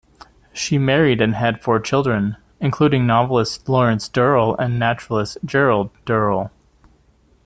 She married and had four children, including novelist Lawrence Durrell and naturalist Gerald Durrell.